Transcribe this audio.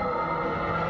jadi aku ingin tahu